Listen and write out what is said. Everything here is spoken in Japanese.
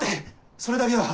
それだけは！